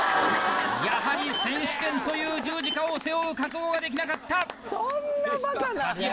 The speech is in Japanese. やはり先取点という十字架を背負う覚悟ができなかった梶原